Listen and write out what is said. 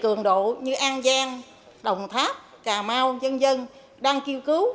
cường độ như an giang đồng tháp cà mau dân dân đang kêu cứu